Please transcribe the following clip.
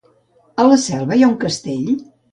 A Selva hi ha un castell?